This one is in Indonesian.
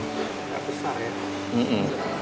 gak besar ya